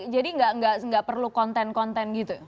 jadi gak perlu konten konten gitu